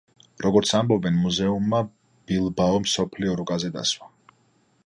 როგორც ამბობენ, მუზეუმმა ბილბაო მსოფლიო რუკაზე დასვა.